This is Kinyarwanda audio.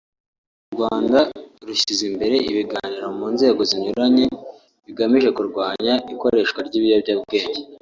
Kugeza ubu u Rwanda rushyize imbere ibiganiro mu nzego zinyuranye bigamije kurwanya ikoreshwa ry’ibiyobyabwenge